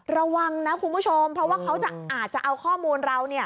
ระวังนะคุณผู้ชมเพราะว่าเขาอาจจะเอาข้อมูลเรา